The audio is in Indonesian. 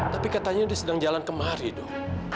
tapi katanya dia sedang jalan kemari dong